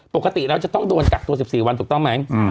ปกติแล้วจะต้องโดนกักตัว๑๔วันถูกต้องไหม